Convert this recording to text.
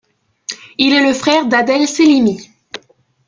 Il est le frère d'Adel Sellimi.